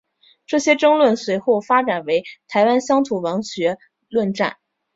这些争论随后发展为台湾乡土文学论战。